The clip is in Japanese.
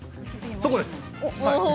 そこです！